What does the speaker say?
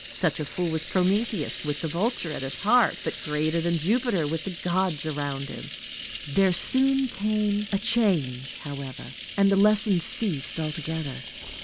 Such a fool was Prometheus, with the vulture at his heart but greater than Jupiter with his gods around him. There soon came a change, however, and the lessons ceased altogether.